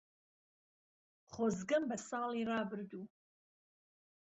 خۆزگهم به ساڵی ڕابردوو